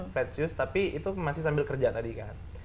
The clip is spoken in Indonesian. flat suse tapi itu masih sambil kerja tadi kan